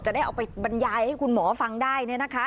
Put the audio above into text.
จะได้เอาไปบรรยายให้คุณหมอฟังได้เนี่ยนะคะ